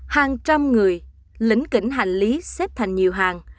hàng trăm người lính kỉnh hành lý xếp thành nhiều hàng